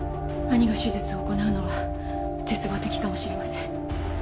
兄が手術を行なうのは絶望的かもしれません。